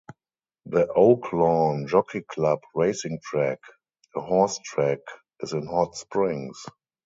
The Oaklawn Jockey Club Racing Track, a horse track, is in Hot Springs.